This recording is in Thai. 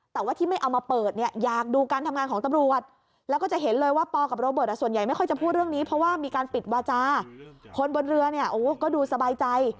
แต่ว่าที่ไม่เอามาเปิดเนี่ยอยากดูการทำงานของตำรวจแล้วก็จะเห็นเลยว่าปอกับโรเบิร์ตส่วนใหญ่ไม่ค่อยจะพูดเรื่องนี้เพราะว่ามีการปิดวาจาคนบนเรือเนี่ยโอ้ก็ดูสบายใจ